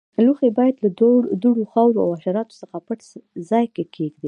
لوښي باید له دوړو، خاورو او حشراتو څخه په پټ ځای کې کېږدئ.